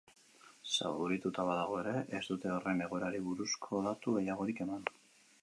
Zaurituta badago ere, ez dute horren egoerari buruzko datu gehiagorik eman.